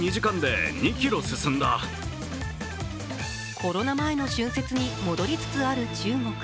コロナ前の春節に戻りつつある中国。